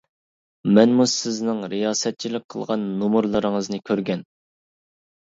مەنمۇ سىزنىڭ رىياسەتچىلىك قىلغان نومۇرلىرىڭىزنى كۆرگەن!